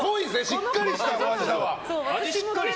しっかりした味だわ。